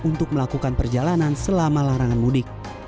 untuk melakukan perjalanan selama larangan mudik